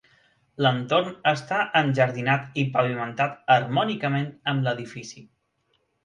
L'entorn està enjardinat i pavimentat harmònicament amb l'edifici.